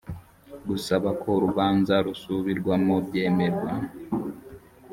gusaba ko urubanza rusubirwamo byemerwa